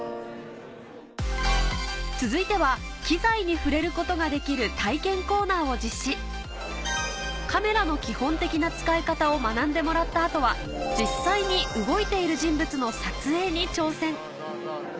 続いては機材に触れることができる体験コーナーを実施カメラの基本的な使い方を学んでもらった後はあぁいいねいいねあぁいいよいいよ。